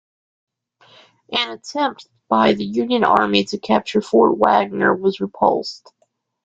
An attempt by the Union Army to capture Fort Wagner was repulsed.